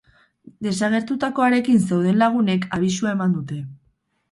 Desagertutakoarekin zeuden lagunek abisua eman dute.